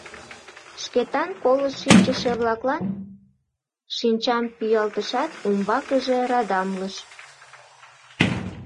Шкетан колышт шинчыше-влаклан шинчам пӱялтышат, умбакыже радамлыш.